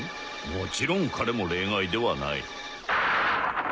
もちろん彼も例外ではない。